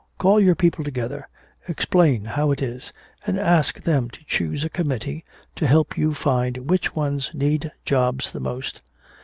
Call your people together, explain how it is, and ask them to choose a committee to help you find which ones need jobs the most.